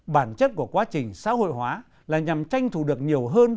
bản chất của quá trình xã hội hóa là nhằm tranh thủ được nhiều hơn